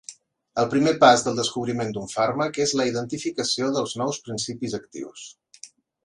El primer pas del descobriment d'un fàrmac és la identificació dels nous principis actius.